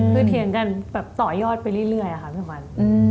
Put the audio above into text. คือเถียงกันแบบต่อยอดไปเรื่อยค่ะพี่ขวัญ